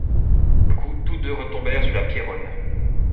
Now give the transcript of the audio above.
Du coup, toutes deux retombèrent sur la Pierronne.